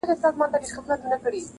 ژوند راته لنډوکی د شبنم راکه.